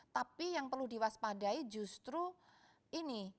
tapi yang perlu diwaspadai justru ini